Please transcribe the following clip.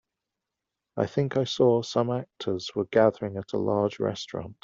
I think I saw some actors were gathering at a large restaurant.